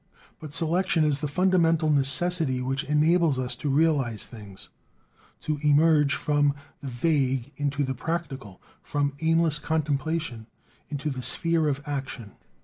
But selection is the fundamental necessity which enables us to realize things; to emerge from the vague into the practical, from aimless contemplation into the sphere of action.